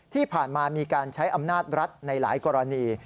ที่ผ่านมามีการใช้อำนาจรัฐในหลายกรณี